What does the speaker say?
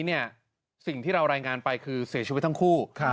สิ่งที่เรารายงานไปคือเสียชีวิตทั้งคู่